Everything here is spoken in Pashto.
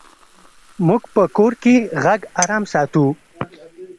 موږ په کور کې غږ آرام ساتو.